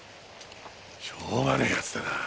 しょうがねえ奴だな。